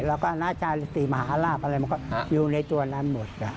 แล้วก็นาจารย์สิมหาราพมันก็อยู่ในตัวนั้นหมด